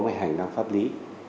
mày hành pháp lý